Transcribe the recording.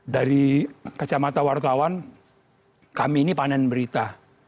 dari kacamata wartawan kami ini panen berita